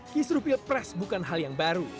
kisru pilpres bukan hal yang baru